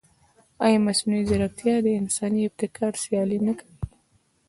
ایا مصنوعي ځیرکتیا د انساني ابتکار سیالي نه کوي؟